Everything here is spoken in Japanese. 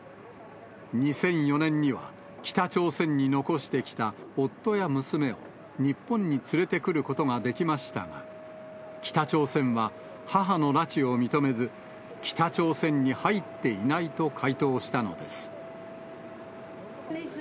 ２００４年には、北朝鮮に残してきた夫や娘を日本に連れてくることができましたが、北朝鮮は母の拉致を認めず、北朝鮮に入っていないと回答したのです。